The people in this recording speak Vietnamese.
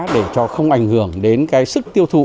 để cho không ảnh hưởng đến cái sức tiêu thụ